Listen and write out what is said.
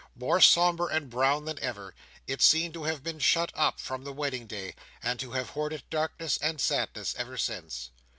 More sombre and brown than ever, it seemed to have been shut up from the wedding day, and to have hoarded darkness and sadness ever since.